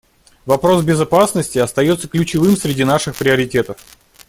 Вопрос безопасности остается ключевым среди наших приоритетов.